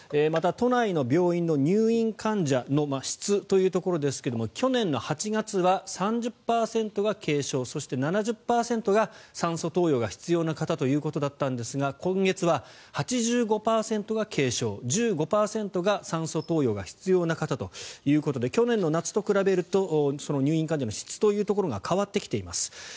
また、都内の病院の入院患者の質というところですが去年８月は３０％が軽症そして７０％が酸素投与が必要な方ということだったんですが今月は８５％が軽症１５％が酸素投与が必要な方ということで去年の夏と比べると入院患者の質というのが変わってきています。